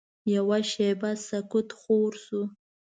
یوه شېبه سکوت خور شو.